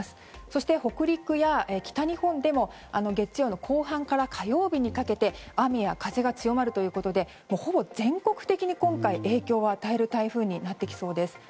そして、北陸や北日本でも月曜の後半から火曜日にかけて雨や風が強まるということでほぼ全国的に影響を与える台風になってきそうです。